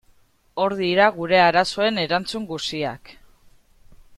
Hor dira gure arazoen erantzun guziak.